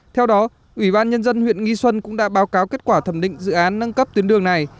theo đó ủy ban nhân dân huyện nghi xuân cũng đã báo cáo kết quả thẩm định dự án nâng cấp tuyến đường này